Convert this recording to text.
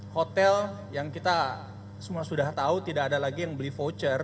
hotel yang kita semua sudah tahu tidak ada lagi yang beli voucher